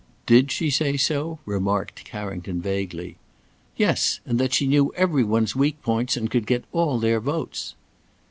"Did she say so?" remarked Carrington vaguely. "Yes! and that she knew every one's weak points and could get all their votes."